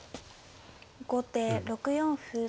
後手６四歩。